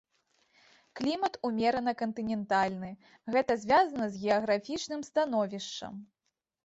Клімат умерана-кантынентальны, гэта звязана з геаграфічным становішчам.